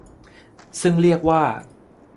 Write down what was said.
ซึ่งเรียกว่า